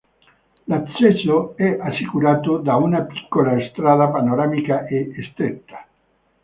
L'accesso è assicurato da una piccola strada panoramica e stretta.